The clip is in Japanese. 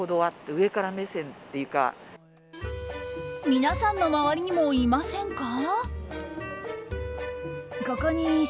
皆さんの周りにもいませんか？